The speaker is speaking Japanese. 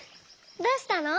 どうしたの？